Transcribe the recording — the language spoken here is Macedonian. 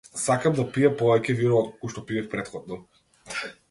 Сакам да пијам повеќе вино отколку што пиев претходно.